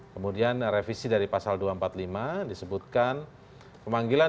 kemudian revisi dari pasal dua ratus empat puluh lima disebutkan pemanggilan